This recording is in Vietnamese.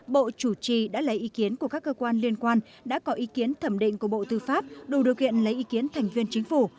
bộ chủ trì đã lấy ý kiến của các cơ quan liên quan đã có ý kiến thẩm định của bộ tư pháp đủ điều kiện lấy ý kiến thành viên chính phủ